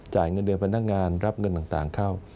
เงินเดือนพนักงานรับเงินต่างเข้า